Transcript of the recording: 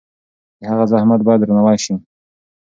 د هغه زحمت باید درناوی شي.